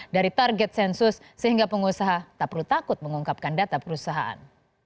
dari target sensus sehingga pengusaha tak perlu takut mengungkapkan data perusahaan